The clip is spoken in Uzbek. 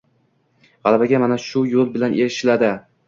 G’alabaga mana shu yo’l bilan erishiladi!